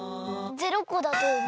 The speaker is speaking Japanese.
０こだとおもう！